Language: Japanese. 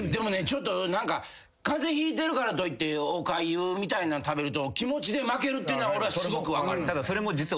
ちょっと何か風邪ひいてるからといっておかゆみたいな食べると気持ちで負けるっていうのは俺はすごく分かる。